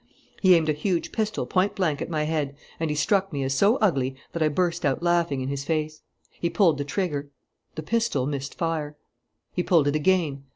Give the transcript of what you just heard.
He aimed a huge pistol point blank at my head and he struck me as so ugly that I burst out laughing in his face. He pulled the trigger. The pistol missed fire. He pulled it again.